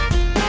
ya itu dia